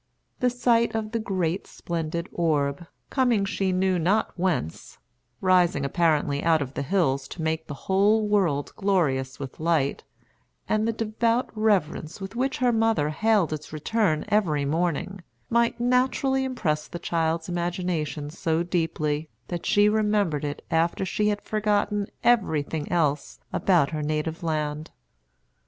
The sight of the great splendid orb, coming she knew not whence, rising apparently out of the hills to make the whole world glorious with light, and the devout reverence with which her mother hailed its return every morning, might naturally impress the child's imagination so deeply, that she remembered it after she had forgotten everything else about her native land.